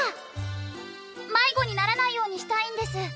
迷子にならないようにしたいんです。